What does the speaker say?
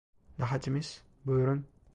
Daha temiz, buyurun!